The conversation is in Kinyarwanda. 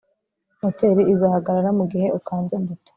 Moteri izahagarara mugihe ukanze buto